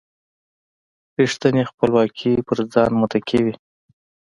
رېښتینې خپلواکي پر ځان متکي وي.